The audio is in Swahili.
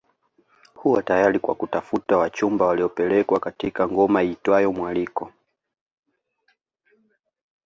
Huwa tayari kwa kutafuta wachumba waliopelekwa katika ngoma iitwayo mwaliko